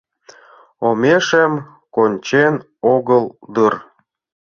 Омешем кончен огыл дыр?